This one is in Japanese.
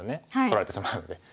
取られしまうので。